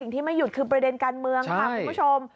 ที่ไม่หยุดคือประเด็นการเมืองค่ะคุณผู้ชม